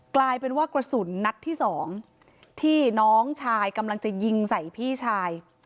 กลายเป็นว่ากระสุนนัดที่สองที่น้องชายกำลังจะยิงใส่พี่ชาย